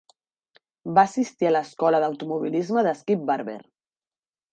Va assistir a l'escola d'automobilisme de Skip Barber.